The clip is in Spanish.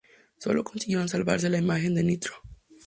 Solo consiguieron salvarse la imagen de Ntro.